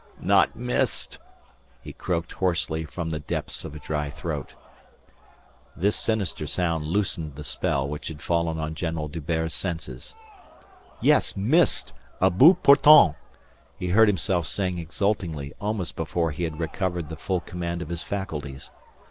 "Not missed!" he croaked hoarsely from the depths of a dry throat. This sinister sound loosened the spell which had fallen on General D'Hubert's senses. "Yes, missed a bout portant" he heard himself saying exultingly almost before he had recovered the full command of his faculties.